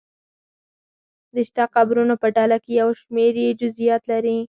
د شته قبرونو په ډله کې یو شمېر یې جزییات لري.